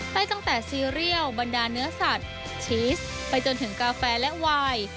ให้ตั้งแต่ซีเรียลบรรดาเนื้อสัตว์ชีสไปจนถึงกาแฟและวาย